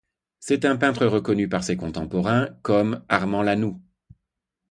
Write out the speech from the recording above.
C'est un peintre reconnu par ses contemporains, comme Armand Lanoux,